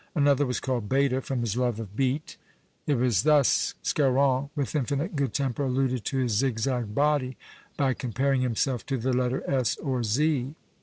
Another was called Beta, from his love of beet. It was thus Scarron, with infinite good temper, alluded to his zig zag body, by comparing himself to the letter s or z.